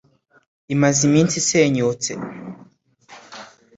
imaze iminsi isenyutse